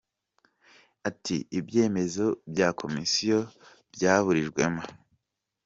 ati ibyemezo bya commission byaburijwemo !